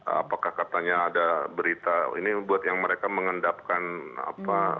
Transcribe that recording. apakah katanya ada berita ini buat yang mereka mengendapkan apa